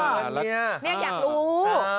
อ๋อเนี่ยเนี่ยอยากรู้